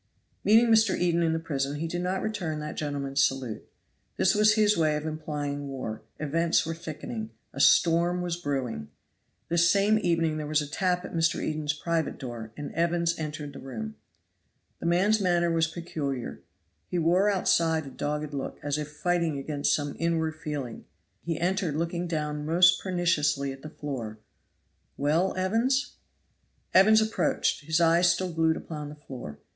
Meeting Mr. Eden in the prison, he did not return that gentleman's salute. This was his way of implying war; events were thickening, a storm was brewing. This same evening there was a tap at Mr. Eden's private door and Evans entered the room. The man's manner was peculiar. He wore outside a dogged look, as if fighting against some inward feeling; he entered looking down most perniciously at the floor. "Well, Evans?" Evans approached, his eyes still glued upon the floor.